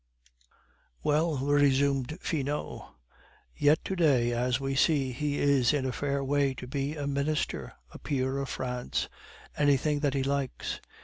"Well," resumed Finot, "yet to day, as we see, he is in a fair way to be a Minister, a peer of France anything that he likes.